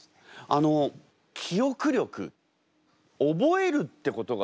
あの記憶力覚えるってことがすごい大事？